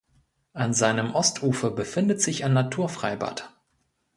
An seinem Ostufer befindet sich ein Naturfreibad.